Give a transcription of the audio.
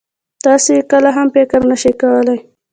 تاسې يې کله هم فکر نه شئ کولای.